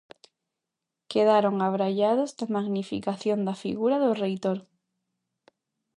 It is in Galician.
Quedaron abraiados da magnificación da figura do reitor.